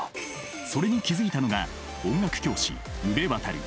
それに気付いたのが音楽教師宇部渉。